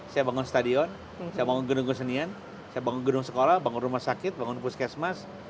saya bangun stadion saya bangun gedung kesenian saya bangun gedung sekolah bangun rumah sakit bangun puskesmas